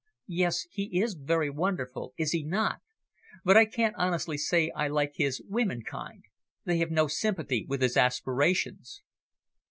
"Yes, he is very wonderful, is he not? But I can't honestly say I like his womenkind. They have no sympathy with his aspirations."